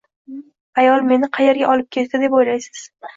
Ayol meni qaerga olib ketdi, deb o`ylaysiz